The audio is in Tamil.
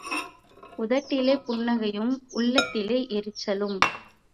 உதட்டிலே புன்னகையும் உள்ளத்திலே எரிச்சலும்.